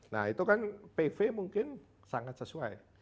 nah itu kan pv mungkin sangat sesuai